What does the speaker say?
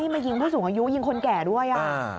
มายิงผู้สูงอายุยิงคนแก่ด้วย